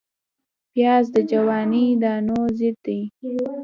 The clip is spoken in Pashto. پیاز د جواني دانو ضد دی